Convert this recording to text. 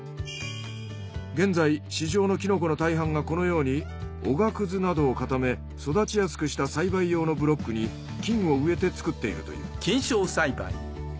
現在市場のキノコの大半がこのようにおが屑などを固め育ちやすくした栽培用のブロックに菌を植えて作っているという。